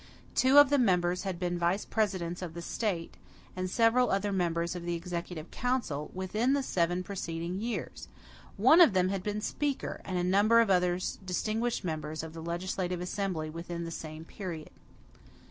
Two of the members had been vice presidents of the State, and several other members of the executive council, within the seven preceding years. One of them had been speaker, and a number of others distinguished members, of the legislative assembly within the same period.